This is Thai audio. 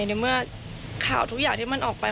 ในเมื่อข่าวทุกอย่างที่มันออกไป